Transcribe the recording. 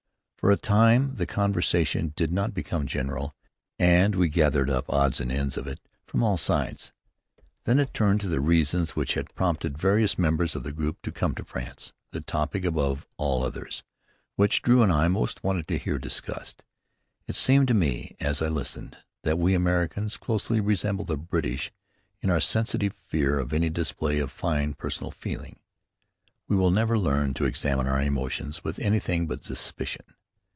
For a time the conversation did not become general, and we gathered up odds and ends of it from all sides. Then it turned to the reasons which had prompted various members of the group to come to France, the topic, above all others, which Drew and I most wanted to hear discussed. It seemed to me, as I listened, that we Americans closely resemble the British in our sensitive fear of any display of fine personal feeling. We will never learn to examine our emotions with anything but suspicion.